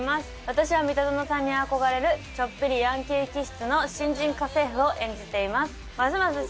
私はミタゾノさんに憧れるちょっぴりヤンキー気質の新人家政婦を演じています。